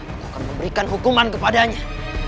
itu akan memberikan hukuman kepadanya